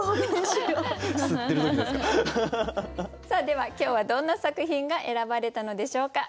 では今日はどんな作品が選ばれたのでしょうか。